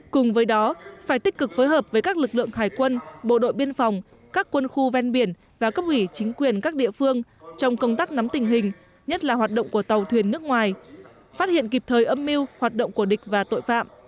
cùng với đó phải tích cực phối hợp với các lực lượng hải quân bộ đội biên phòng các quân khu ven biển và cấp ủy chính quyền các địa phương trong công tác nắm tình hình nhất là hoạt động của tàu thuyền nước ngoài phát hiện kịp thời âm mưu hoạt động của địch và tội phạm